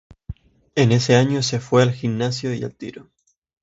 En ese año se fue al Gimnasia y Tiro.